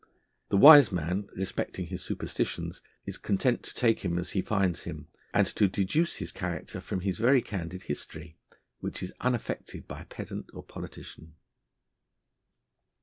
The wise man, respecting his superstitions, is content to take him as he finds him, and to deduce his character from his very candid history, which is unaffected by pedant or politician.